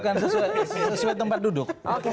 oke sesuai tempat duduk